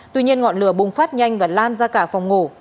tuy nhiên ngọn lửa bùng phát nhanh và lan ra cả phòng ngủ